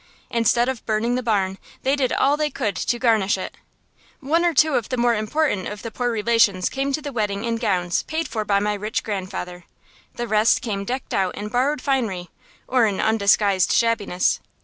Instead of burning the barn, they did all they could to garnish it. One or two of the more important of the poor relations came to the wedding in gowns paid for by my rich grandfather. The rest came decked out in borrowed finery, or in undisguised shabbiness.